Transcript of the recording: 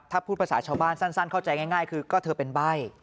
ถ้าพูดภาษาชาวบ้านสั้นเข้าใจง่ายคือก็เธอเป็นใบ้